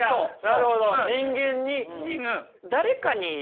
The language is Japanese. なるほど人間に。